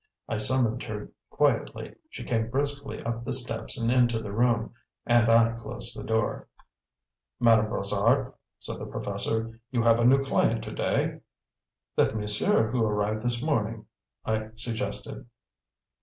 I summoned her quietly; she came briskly up the steps and into the room, and I closed the door. "Madame Brossard," said the professor, "you have a new client to day." "That monsieur who arrived this morning," I suggested.